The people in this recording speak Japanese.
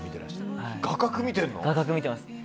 画角、見てます。